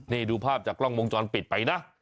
นี่ดูภาพจากกล้องวงจรปิดไปนะ